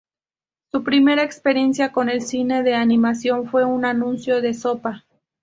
Su primera experiencia con el cine de animación fue un anuncio de sopa.